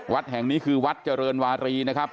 วัดแห่งนี้คือวัดเจริญวารีนะครับ